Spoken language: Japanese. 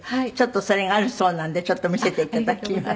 それがあるそうなんでちょっと見せて頂きます。